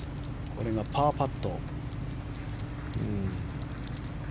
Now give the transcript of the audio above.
これがパーパット。